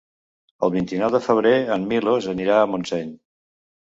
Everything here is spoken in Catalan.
El vint-i-nou de febrer en Milos anirà a Montseny.